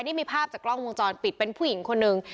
นี่มีภาพจากกล้องวงจรปิดเป็นผู้หญิงคนหนึ่ง